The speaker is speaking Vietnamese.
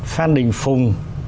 phan đình phùng